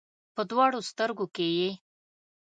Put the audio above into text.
په دواړو سترګو کې یې